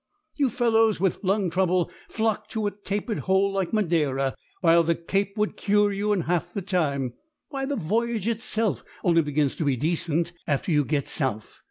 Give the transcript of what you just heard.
You fellows with lung trouble flock to a tepid hole like Madeira, while the Cape would cure you in half the time: why, the voyage itself only begins to be decent after you get south!